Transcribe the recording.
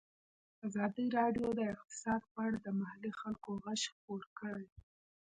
ازادي راډیو د اقتصاد په اړه د محلي خلکو غږ خپور کړی.